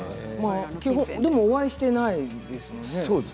でもお会いしていないですよね。